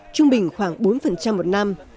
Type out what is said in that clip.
trung bình khoảng bốn một năm